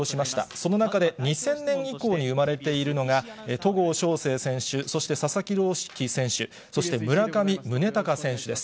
その中で、２０００年以降に生まれているのが、戸郷翔征選手、そして佐々木朗希選手、そして村上宗隆選手です。